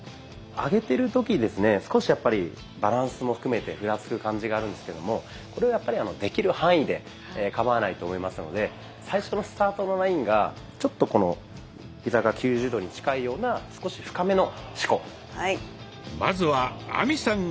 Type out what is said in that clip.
上げてる時ですね少しやっぱりバランスも含めてふらつく感じがあるんですけどもこれはやっぱりできる範囲でかまわないと思いますので最初のスタートのラインがちょっとこのヒザが９０度に近いような少し深めの四股。